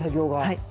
はい。